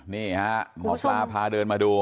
นี่บอสลาห์พาเดินมาดู